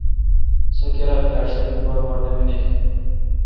سو کرا پیݭ تہ می بڑبڑ نہ منیل۔